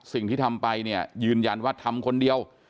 สิ่งที่ทำไปเนี่ยยืนยันว่าทำคนเดียว